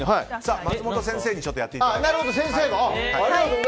松本先生にやっていただきます。